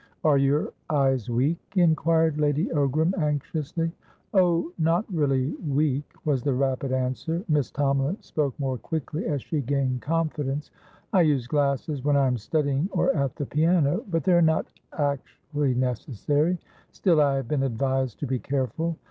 "Are your eyes weak?" inquired Lady Ogram, anxiously. "Oh, not really weak," was the rapid answer (Miss Tomalin spoke more quickly as she gained confidence), "I use glasses when I am studying or at the piano, but they're not actually necessary. Still, I have been advised to be careful.